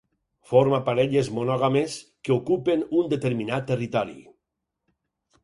Forma parelles monògames que ocupen un determinat territori.